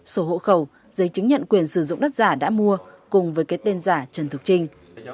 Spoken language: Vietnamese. sổ hộ khẩu giấy chứng nhận quyền sử dụng đất giả đã mua cùng với cái tên giả trần thực trinh